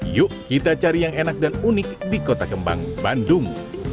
yuk kita cari yang enak dan unik di kota kembang bandung